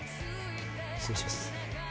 失礼します。